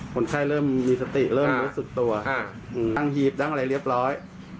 คนไข้เริ่มรู้สึกตัวตั้งหีบตั้งอะไรเรียบร้อย